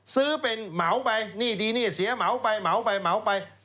ซื้อเป็นเหมาไปหนี้ดีหนี้เสียเหมาไปเหมาไปเหมาไป